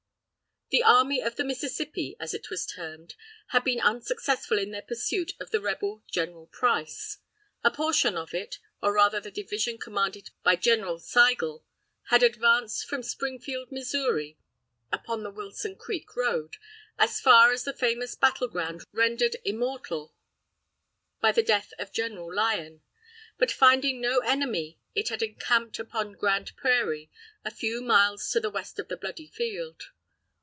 The "Army of the Mississippi," as it was termed, had been unsuccessful in their pursuit of the rebel General Price. A portion of it, or rather the division commanded by General Sigel, had advanced from Springfield, Missouri, upon the Wilson creek road, as far as the famous battle ground rendered immortal by the death of General Lyon, but finding no enemy, it had encamped upon Grand Prairie, a few miles to the west of the bloody field.